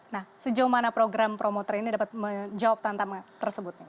nah sejauh mana program promoter ini dapat menjawab tantangan tersebut